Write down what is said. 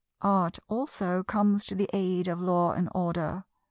Art also comes to the aid of Law and Order.